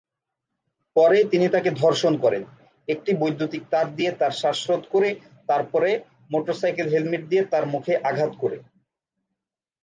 পরে তিনি তাকে ধর্ষণ করেন, একটি বৈদ্যুতিক তার দিয়ে তার শ্বাসরোধ করে তারপরে মোটরসাইকেল হেলমেট দিয়ে তার মুখে আঘাত করে।